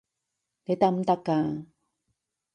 你得唔得㗎？